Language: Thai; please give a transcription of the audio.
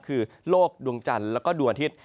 คือโลกดวงจันทร์แล้วก็ดวงอาทิตย์